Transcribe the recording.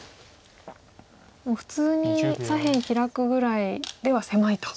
普通に左辺ヒラくぐらいでは狭いと。